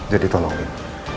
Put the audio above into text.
jadi tolong lin